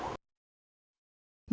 với bờ biển dài